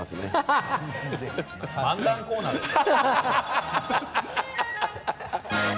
漫談コーナーですか。